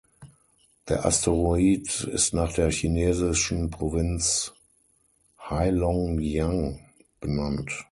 Der Asteroid ist nach der chinesischen Provinz Heilongjiang benannt.